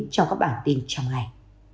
trong các bản tin trong ngày